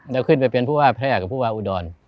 แล้วขึ้นไปเป็นผู้ว่าพระอยากกับผู้ว่าอุดร